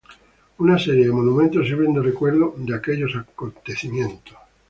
Una serie de monumentos sirven de recuerdo de aquellos acontecimientos.